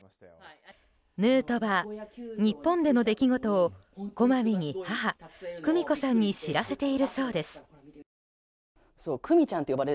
ヌートバー、日本での出来事をこまめに母・久美子さんに知らせているそうです。